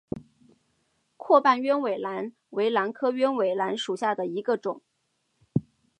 阔瓣鸢尾兰为兰科鸢尾兰属下的一个种。